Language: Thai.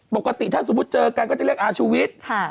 ปกติถ้าสมมุติเจอกันก็จะเรียกอาชูวิทย์